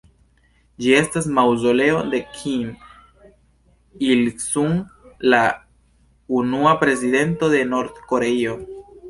Ĝi estas maŭzoleo de Kim Il-sung, la unua prezidento de Nord-Koreio.